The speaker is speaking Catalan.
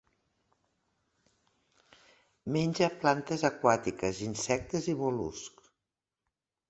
Menja plantes aquàtiques, insectes i mol·luscs.